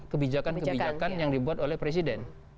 kebijakan kebijakan yang dibuat oleh presiden